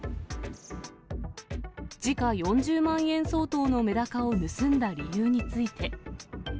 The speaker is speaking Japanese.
時価４０万円相当のメダカを盗んだ理由について。